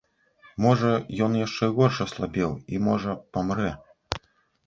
Можа, ён яшчэ горш аслабеў і, можа, памрэ.